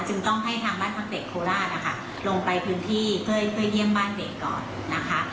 จึงต้องให้ทางบ้านพักเด็กโคราชนะคะลงไปพื้นที่เพื่อเยี่ยมบ้านเด็กก่อนนะคะ